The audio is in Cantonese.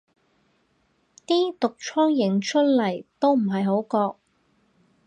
啲毒瘡影出嚟都唔係好覺